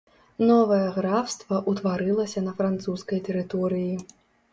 Новае графства ўтварылася на французскай тэрыторыі.